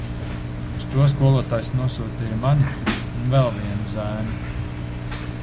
Uz to skolotājs nosūtīja mani un vēl vienu zēnu.